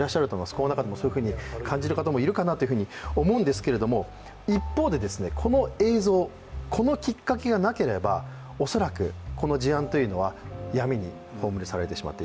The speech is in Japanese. この中でもそういうふうに感じる方もいるかなと思うんですけども、一方で、この映像、このきっかけがなければ恐らくこの事案というのは闇に葬り去られてしまった。